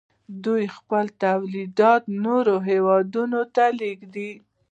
دوی خپل تولیدات نورو هیوادونو ته لیږي.